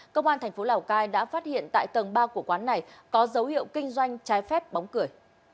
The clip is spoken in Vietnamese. công an tp lào cai đã phát hiện tại tầng ba của quán này có dấu hiệu kinh doanh trái phép bóng cửa